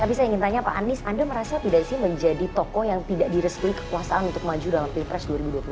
tapi saya ingin tanya pak anies anda merasa tidak sih menjadi tokoh yang tidak direstui kekuasaan untuk maju dalam pilpres dua ribu dua puluh